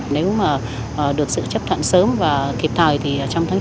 nếu mà được sự chấp thuận sớm và kịp thời thì trong tháng chín